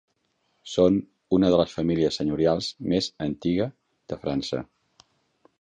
Són una de les famílies senyorials més antiga de França.